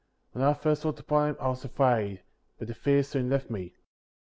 When I first looked upon him, I was afraid; but the fear soon left me.